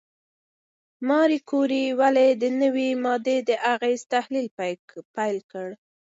ماري کوري ولې د نوې ماده د اغېزو تحلیل پیل کړ؟